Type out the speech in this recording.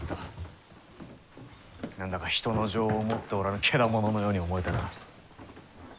何だか人の情を持っておらぬケダモノのように思えてな。